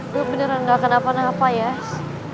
gue beneran gak akan apa apa yas